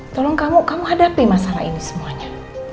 tolong kamu hadapi masalah ini semuanya